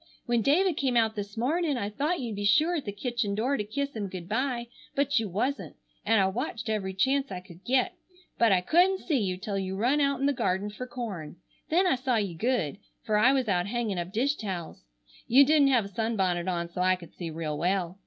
When David came out this morning I thought you'd sure be at the kitchen door to kiss him good bye, but you wasn't, and I watched every chance I could get, but I couldn't see you till you run out in the garden fer corn. Then I saw you good, fer I was out hangin' up dish towels. You didn't have a sunbonnet on, so I could see real well.